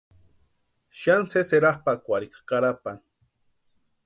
Xani sési erapʼakwarhika Carapani.